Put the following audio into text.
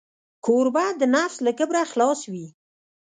کوربه د نفس له کبره خلاص وي.